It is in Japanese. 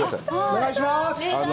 お願いします。